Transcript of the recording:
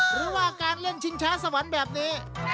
หรือว่าการเล่นชิงช้าสวรรค์แบบนี้